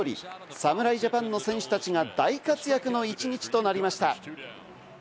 侍ジャパンの選手たちが大活躍の一日となりました。